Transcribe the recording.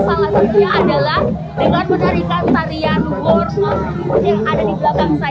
salah satunya adalah dengan menarikan tarian war